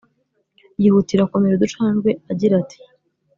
yihutira kumira uducandwe agira ati